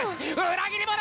裏切り者！